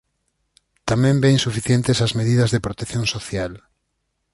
Tamén ve insuficientes as medidas de protección social.